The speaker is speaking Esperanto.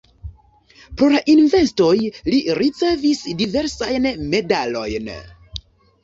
Pro la investoj li ricevis diversajn medalojn.